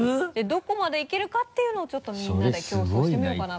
どこまでいけるかっていうのをちょっとみんなで競争してみようかなと。